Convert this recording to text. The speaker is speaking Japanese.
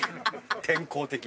天候的に。